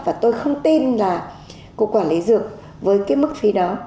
và tôi không tin là cục quản lý dược với cái mức phí đó